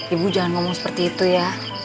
ibu jangan ngomong seperti itu ya